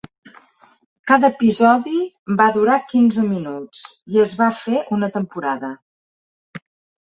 Cada episodi va durar quinze minuts i es va fer una temporada.